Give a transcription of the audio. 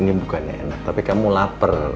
ini bukannya enak tapi kamu lapar